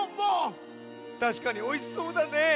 たしかにおいしそうだね！